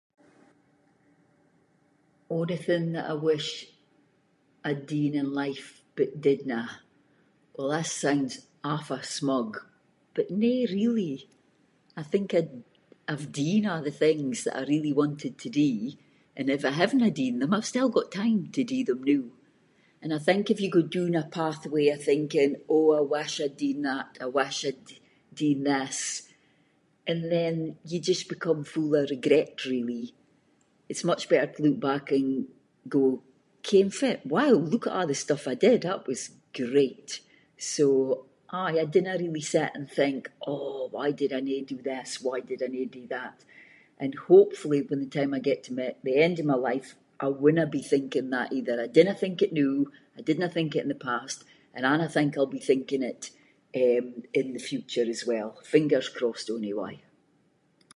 Onything that I wish I’d done in life, but didnae. Well this sounds awfu' smug, but no really, I think I- I’ve done a’ the things that I really wanted to do, and if I havenae done them, I’ve still got time to do them noo. And I think if you go doon a pathway of thinking “oh I wish I’d done that, I wish I’d done this”, and then you just become full of regret really. It’s much better to look back and go “ken fitt, wow, look at a’ the stuff I did, that was great”, so aye, I dinna really sit and think, “oh why did I no do this, why did I no do that” and hopefully by the time I get to the end of my life I winna be thinking that either, I dinna think it noo, I didnae think it in the past, and I na think I’ll be thinking it, eh, in the future as well, fingers crossed onyway.